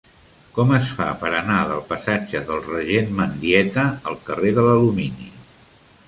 Com es fa per anar del passatge del Regent Mendieta al carrer de l'Alumini?